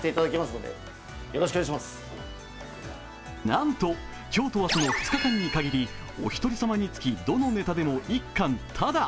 なんと今日と明日の２日間に限りお一人様につき、どのネタでも１貫タダ！